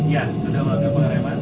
ya sudah mau ke pengereman